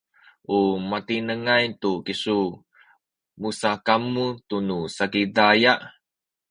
u matinengay tu kisu musakamu tunu Sakizaya